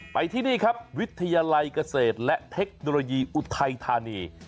ไปที่นี่ครับวิทยาลัยเกษตรและเทคโนโลยีอุทัยธานี